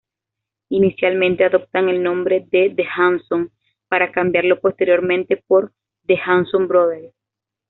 Inicialmente adoptan el nombre de "The Hanson" para cambiarlo posteriormente por "The Hanson Brothers".